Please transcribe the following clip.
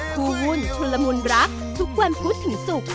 คู่วุ่นชุลมุนรักทุกวันพุธถึงสุข